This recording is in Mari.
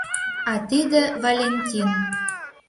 А тиде — Валентин.